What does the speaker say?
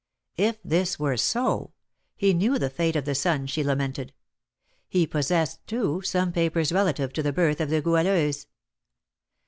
If this were so, he knew the fate of the son she lamented, he possessed, too, some papers relative to the birth of the Goualeuse.